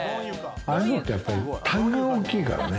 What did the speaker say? ああいうのってやっぱり単価が大きいからね。